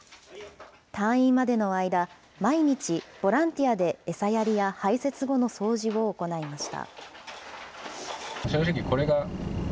退院までの間、毎日ボランティアで餌やりや排せつ後の掃除を行いました。